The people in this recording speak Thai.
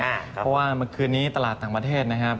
เพราะว่าเมื่อคืนนี้ตลาดต่างประเทศนะครับ